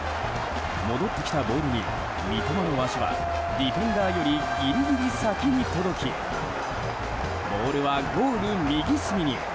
戻ってきたボールに三笘の足はディフェンダーよりギリギリ先に届きボールはゴール右隅に。